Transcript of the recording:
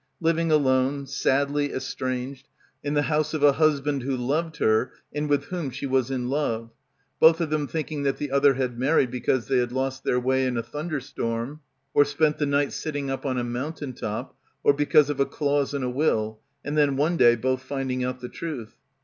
Living alone, sadly es tranged, in the house of a husband who loved her and with whom she was in love, both of them thinking that the other had married because they had lost their way in a thunderstorm and spent the night sitting up on a mountain top or because of a clause in a will, and then one day both finding out the truth.